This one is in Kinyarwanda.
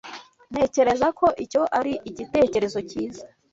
Ntekereza ko icyo ari igitekerezo cyiza.